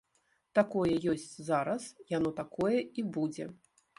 Такое ёсць зараз, яно такое і будзе.